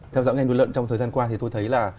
theo dõi ngay nguồn lợn trong thời gian qua thì tôi thấy là